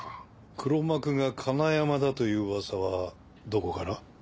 黒幕が金山だといううわさはどこから？